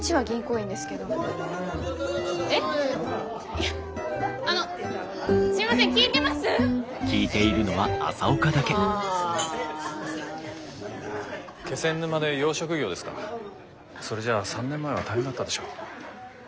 それじゃあ３年前は大変だったでしょ。